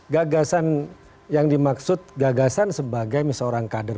gagasan yang dimaksud gagasan sebagai seorang kader